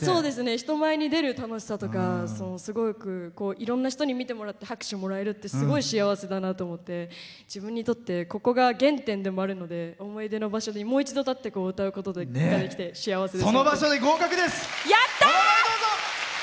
人前で歌うとかすごくいろんな人に見てもらって拍手をもらえるってすごい幸せだなと思って自分にとってここが原点でもあるので思い出の場所に、もう一度立って歌えることができてお名前、どうぞ。